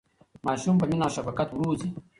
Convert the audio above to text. ماشومان په مینه او شفقت وروځئ.